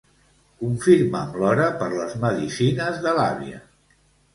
Confirma'm l'hora per les medicines de l'àvia.